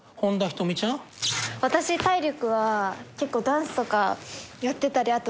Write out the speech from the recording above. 私体力は結構ダンスとかやってたり。